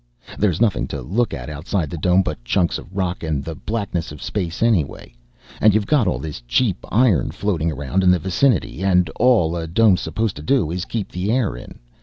There's nothing to look at outside the dome but chunks of rock and the blackness of space anyway, and you've got all this cheap iron floating around in the vicinity, and all a dome's supposed to do is keep the air in.